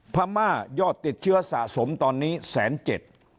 พม่ายอดติดเชื้อสะสมตอนนี้แสนเจ็ด